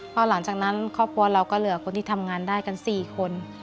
พอหลังจากนั้นครอบครัวเราก็เหลือคนที่ทำงานได้กัน๔คน